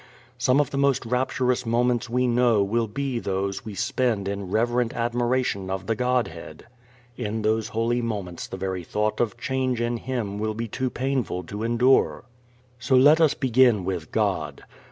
Some of the most rapturous moments we know will be those we spend in reverent admiration of the Godhead. In those holy moments the very thought of change in Him will be too painful to endure. So let us begin with God.